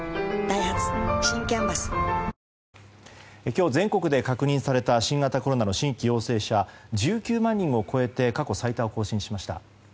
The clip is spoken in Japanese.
今日、全国で確認された新型コロナの新規陽性者１９万人を超えて過去最多を更新しました。